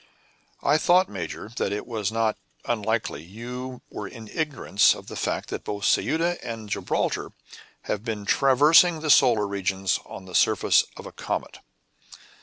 "I thought, major, that it was not unlikely you were in ignorance of the fact that both Ceuta and Gibraltar have been traversing the solar regions on the surface of a comet."